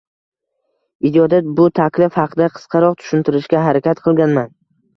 Videoda bu taklif haqda qisqaroq tushuntirishga harakat qilganman.